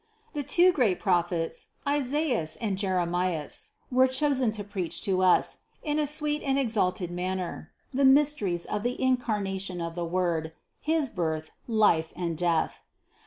The two great Prophets, Isaias and Jeremias, were chosen to preach to us, in a sweet and exalted manner, the mys teries of the Incarnation of the Word, his Birth, Life and Death.